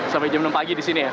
sampai jam enam pagi di sini ya